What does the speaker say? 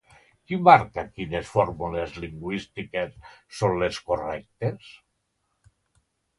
Qui marca quines fórmules lingüístiques són les correctes?